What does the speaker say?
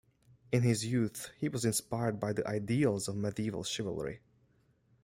In his youth, he was inspired by the ideals of medieval chivalry.